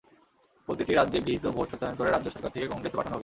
প্রতিটি রাজ্যে গৃহীত ভোট সত্যায়ন করে রাজ্য সরকার থেকে কংগ্রেসে পাঠানো হবে।